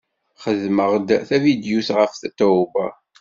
Xedmeɣ-d tavidyut ɣef Tatoeba.